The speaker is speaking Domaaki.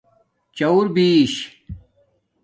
چُور بِیش